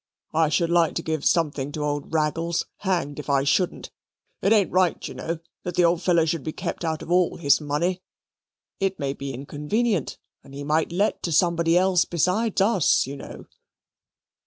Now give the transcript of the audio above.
"I should like to give something to old Raggles, hanged if I shouldn't. It ain't right, you know, that the old fellow should be kept out of all his money. It may be inconvenient, and he might let to somebody else besides us, you know."